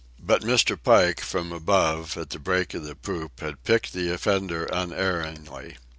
But Mr. Pike, from above, at the break of the poop, had picked the offender unerringly.